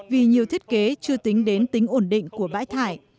vì nhiều thiết kế chưa tính đến tính ổn định của bãi thải